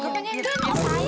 kamu juga penyanyi